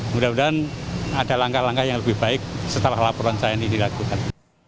mudah mudahan ada langkah langkah yang lebih baik setelah laporan saya ini dilakukan